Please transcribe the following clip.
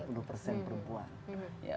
ya kalau sebetulnya ya